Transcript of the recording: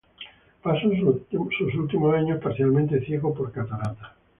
Pasó sus últimos años, parcialmente ciego por cataratas.